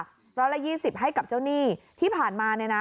ร้อยละยี่สิบให้กับเจ้าหนี้ที่ผ่านมาเนี่ยนะ